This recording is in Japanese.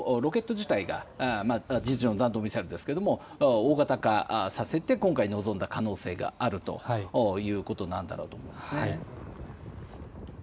そうするとロケット自体が、事実上の弾道ミサイルですが大型化させて今回、臨んだ可能性があるということなんだろうと思います。